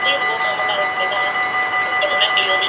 Es coautor de la obra "Lindo país esquina con vista al mar".